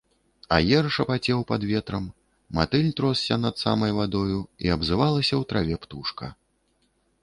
Аер шапацеў пад ветрам, матыль тросся над самай вадою, і абзывалася ў траве птушка.